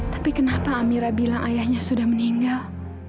tapi kenapa amira bilang ayahnya sudah meninggal